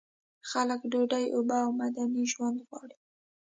خلک ډوډۍ، اوبه او مدني ژوند غواړي.